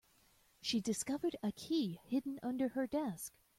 She discovered a key hidden under her desk.